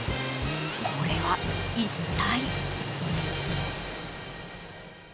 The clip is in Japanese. これは、一体？